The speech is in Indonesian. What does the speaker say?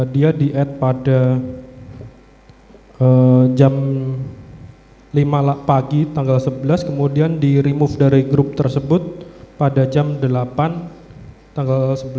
dia di ad pada jam lima pagi tanggal sebelas kemudian di remove dari grup tersebut pada jam delapan tanggal sebelas